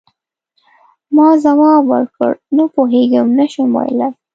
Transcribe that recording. ما ځواب ورکړ: نه پوهیږم، نه شم ویلای.